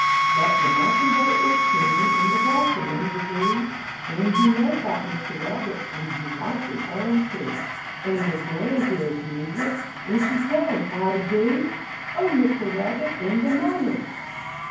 But de Mockin'bird wuz singin' in de blossom en de dew, En he know 'bout Mister Rabbit, en he watchin' er 'im, too; En Miss Mary heah his music, en she tell 'im "Howdy do!" O Mister Rabbit, in de mawnin'!